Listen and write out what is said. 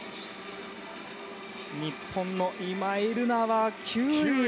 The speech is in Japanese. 日本の今井月は９位。